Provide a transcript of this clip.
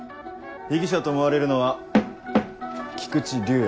被疑者と思われるのは菊池竜哉。